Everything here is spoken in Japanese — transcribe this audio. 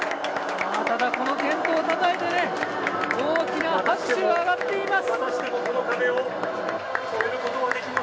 ただ、この健闘をたたえて大きな拍手が上がっています。